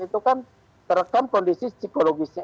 itu kan terekam kondisi psikologisnya